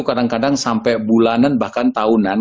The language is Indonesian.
kadang kadang sampai bulanan bahkan tahunan